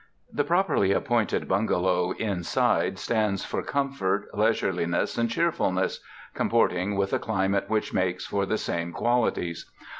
The properly appointed bungalow inside stands for comfort, leisureliness and cheerfulness, comport ing with a climate which makes for the same quali ties.